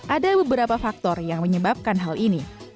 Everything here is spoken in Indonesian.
ada beberapa faktor yang menyebabkan hal ini